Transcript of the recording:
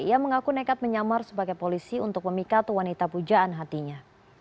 ia mengaku nekat menyamar sebagai polisi untuk memikat wanita pujaan hatinya